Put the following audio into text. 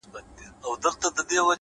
حوصله ستړې ورځې نرموي!